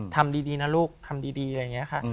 ทำดีนะลูกทำดีอะไรอย่างนี้ค่ะ